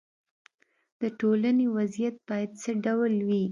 د ټولنې وضعیت باید څه ډول وي.